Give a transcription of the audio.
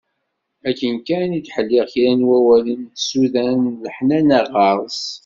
Akken kan i d-ttḥelliɣ kra n wawalen d tsudan n leḥnana ɣer-s.